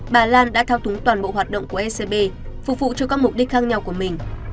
bà lan đã thao túng toàn bộ hoạt động của ecb phục vụ cho các mục đích khác nhau của mình